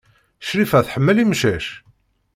Crifa tḥemmel imcac?